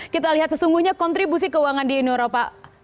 kita lihat sesungguhnya kontribusi keuangan di uni eropa